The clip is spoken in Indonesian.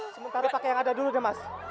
sementara pakai yang ada dulu deh mas